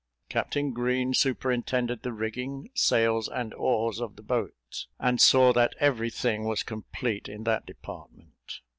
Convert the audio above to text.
Captain Green superintended the rigging, sails, and oars of the boat, and saw that every thing was complete in that department.